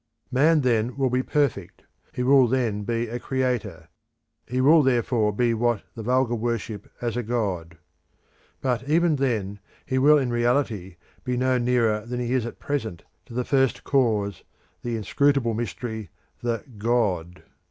Man then will be perfect; he will then be a creator; he will therefore be what the vulgar worship as a god. But even then, he will in reality be no nearer than he is at present to the First Cause, the Inscrutable Mystery, the GOD.